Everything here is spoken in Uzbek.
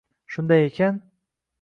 Shunday ekan